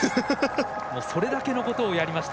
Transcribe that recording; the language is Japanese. それだけのことをやりました。